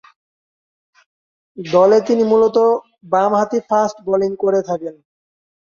দলে তিনি মূলতঃ বামহাতি ফাস্ট বোলিং করে থাকেন।